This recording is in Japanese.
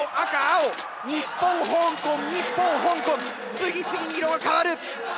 次々に色が変わる！